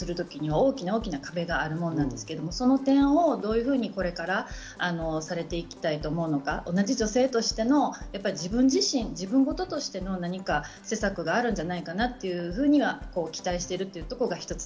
大きな大きな壁があるものなんですけど、その点をどういうふうにこれからされていきたいと思うのか、同じ女性としての自分自身、自分ごととしての何か施策があるんじゃないかなというふうに期待しているところが１つ。